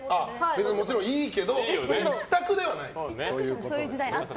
もちろんいいけど一択ではないということで。